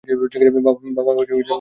বাবা মরে গিয়েছে আমার।